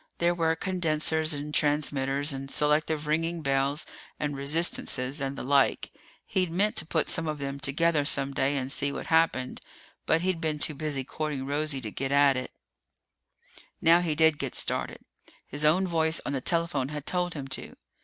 There were condensers and transmitters and selective ringing bells and resistances and the like. He'd meant to put some of them together some day and see what happened, but he'd been too busy courting Rosie to get at it. Now he did get started. His own voice on the telephone had told him to.